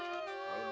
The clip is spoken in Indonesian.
ba be duh